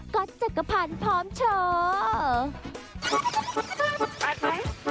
ก็จักรพันธ์พร้อมโชว์